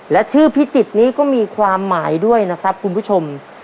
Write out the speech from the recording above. และชื่อพิจิตรนี้ก็มีความหมายด้วยนะครับคุณผู้ชม